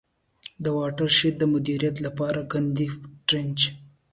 د واټر شید د مدیریت له پاره د کندي Trench.